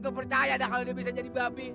percaya jadi babi